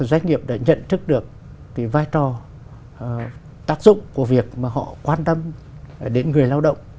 doanh nghiệp đã nhận thức được cái vai trò tác dụng của việc mà họ quan tâm đến người lao động